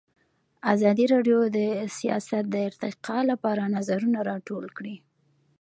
ازادي راډیو د سیاست د ارتقا لپاره نظرونه راټول کړي.